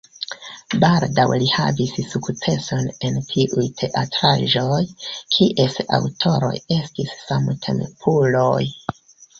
Baldaŭe li havis sukcesojn en tiuj teatraĵoj, kies aŭtoroj estis samtempuloj.